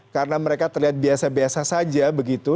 karena mereka terlihat biasa biasa saja begitu